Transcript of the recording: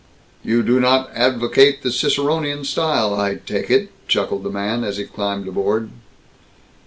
"You do not advocate the Ciceronian style, I take it," chuckled the man as he climbed aboard.